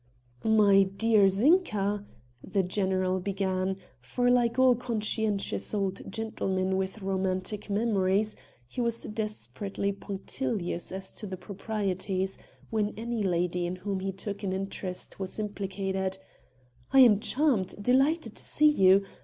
"My dear Zinka...." the general began for, like all conscientious old gentlemen with romantic memories, he was desperately punctilious as to the proprieties when any lady in whom he took an interest was implicated, "I am charmed, delighted to see you....